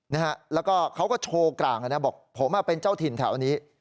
นะฮะแล้วก็เขาก็โชว์กลางนะบอกผมเป็นเจ้าถิ่นแถวนี้